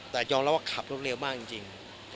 แต่มันยอมแนะนำว่าเขาก็ขับรถเร็วมากจริง